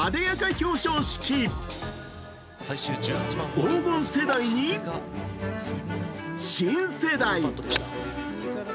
黄金世代に、新世代。